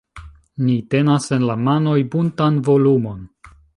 Ni tenas en la manoj buntan volumon.